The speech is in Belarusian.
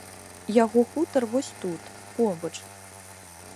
Яго хутар вось тут, побач.